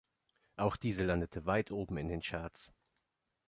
Auch diese landete weit oben in den Charts.